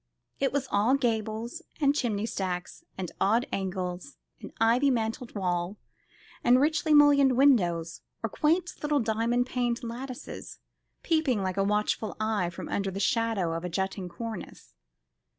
It was all gables, and chimney stacks, and odd angles, and ivy mantled wall, and richly mullioned windows, or quaint little diamond paned lattices, peeping like a watchful eye from under the shadow of a jutting cornice.